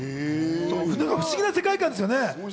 不思議な世界観ですよね。